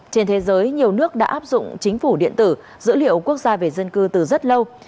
trên thế giới nhiều nước đã áp dụng chính phủ điện tử dữ liệu quốc gia về dân cư từ rất lâu